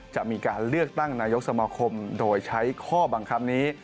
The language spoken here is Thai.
จะมีการเลือกตั้งนายกสมาคมโดยใช้ข้อบังคับนี้